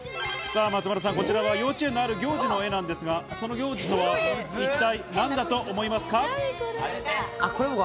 これは幼稚園のある行事の絵なんですけど、その行事とは一体何だと思いますか？